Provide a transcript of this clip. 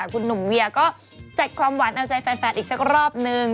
คุณหนุ่มเวียก็จัดความหวานเอาใจแฟนอีกสักรอบนึง